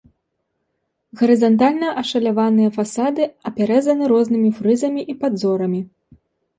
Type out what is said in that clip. Гарызантальна ашаляваныя фасады апяразаны разнымі фрызамі і падзорамі.